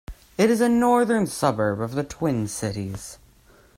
It is a northern suburb of the Twin Cities.